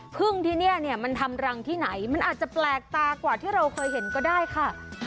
พึ่งที่เนี่ยมันทำรังที่ไหนมันอาจจะแปลกตากว่าที่เราเคยเห็นก็ได้ค่ะ